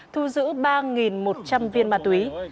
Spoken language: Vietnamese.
thu giữ ba một trăm linh viên ma túy